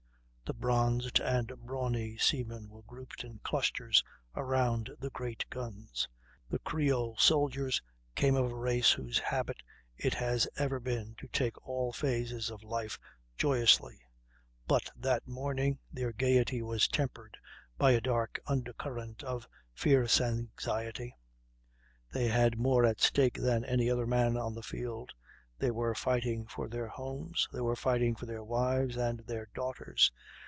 The bronzed and brawny seamen were grouped in clusters around the great guns. The creole soldiers came of a race whose habit it has ever been to take all phases of life joyously; but that morning their gayety was tempered by a dark undercurrent of fierce anxiety. They had more at stake than any other men on the field. They were fighting for their homes; they were fighting for their wives and their daughters.